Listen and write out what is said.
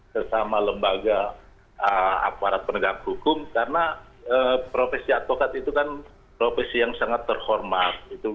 bersama lembaga aparat penegak hukum karena profesi advokat itu kan profesi yang sangat terhormat